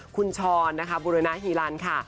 คุณชรบุรณฐ์ฮีลันท์ค่ะ